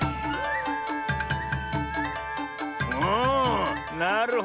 おおなるほど。